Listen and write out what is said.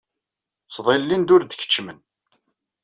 Ttḍillin-d ur d-keččemen.